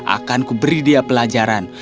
aku akan beri dia pelajaran